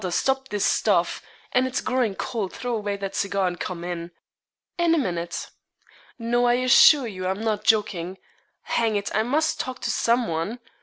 stop this stuff; and it is growing cold throw away that cigar, and come in.' 'In a minute. No, I assure you, I'm not joking. Hang it! I must talk to some one.